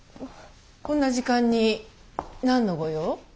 こんな時間に何のご用？